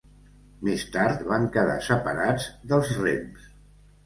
Més tard van quedar separats dels rems.